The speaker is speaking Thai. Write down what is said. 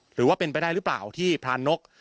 หรือว่าเป็นไปได้หรือเปล่าที่พรานก